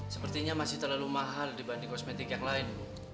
sepertinya masih terlalu mahal dibanding kosmetik yang lain